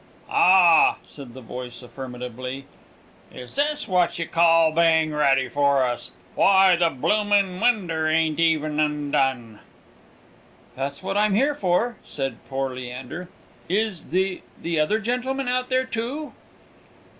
"Ah!" said the voice, affirmatively. "Is this what you call being ready for us? Why, the bloomin' winder ain't even undone!" "That's what I'm here for," said poor Leander. "Is the the other gentleman out there too?"